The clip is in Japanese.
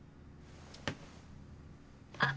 あ。